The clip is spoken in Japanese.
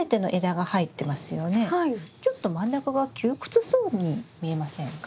ちょっと真ん中が窮屈そうに見えませんか？